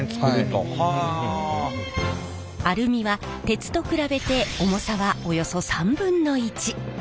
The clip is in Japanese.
アルミは鉄と比べて重さはおよそ３分の１。